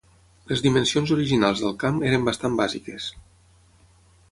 Les dimensions originals del camp eren bastant bàsiques.